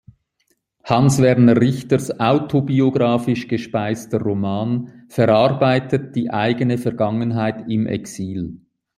Hans Werner Richters autobiographisch gespeister Roman verarbeitet die eigene Vergangenheit im Exil.